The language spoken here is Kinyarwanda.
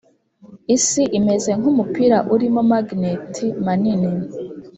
isi imeze nkumupira urimo magneti manini.